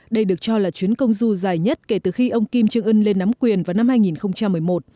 đây được cho là chuyến công du dài nhất kể từ khi ông kim jong un lên nắm quyền vào năm hai nghìn một mươi một